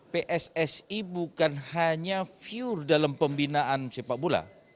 pssi bukan hanya view dalam pembinaan sepak bola